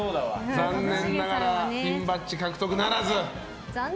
残念ながらピンバッジ獲得ならず。